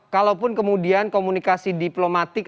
kalaupun kemudian komunikasi diplomatik